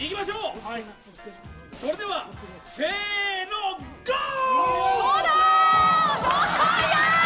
それではせーの、ゴー。